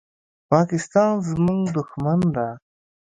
پاکستان زموږ دښمن ده.